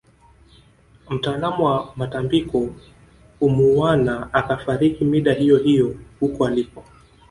Mtaalamu wa matambiko humuuwana akafariki mida hiyohiyo huko aliko